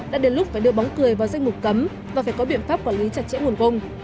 đã đến lúc phải đưa bóng cười vào danh mục cấm và phải có biện pháp quản lý chặt chẽ nguồn cung